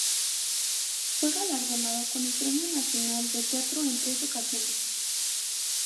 Fue galardonado con el Premio Nacional de Teatro en tres ocasiones.